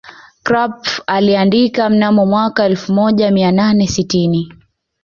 Krapf aliandika mnamo mwaka elfu moja mia nane sitini